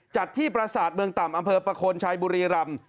จัดที่ประสาทเมืองต่ำอำเภอประโคนชัยบุรีรำ